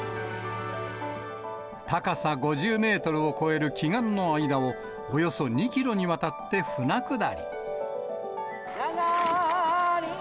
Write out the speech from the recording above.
高さ５０メートルを超える奇岩の間をおよそ２キロにわたって舟下り。